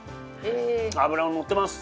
脂も乗ってます。